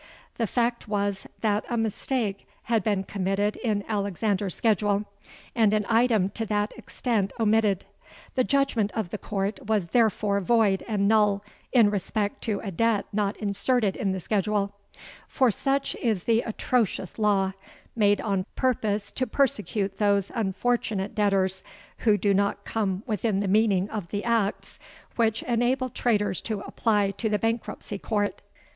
The fact was that a mistake had been committed in Alexander's schedule, and an item to that extent omitted. The judgment of the Court was therefore void and null in respect to a debt not inserted in the schedule; for such is the atrocious law, made on purpose to persecute those unfortunate debtors who do not come within the meaning of the Acts which enable traders to apply to the Bankruptcy Court.